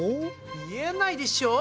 見えないでしょ！